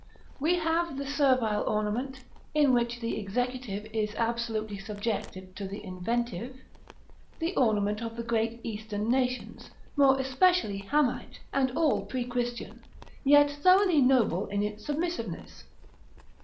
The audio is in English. We have the servile ornament, in which the executive is absolutely subjected to the inventive, the ornament of the great Eastern nations, more especially Hamite, and all pre Christian, yet thoroughly noble in its submissiveness.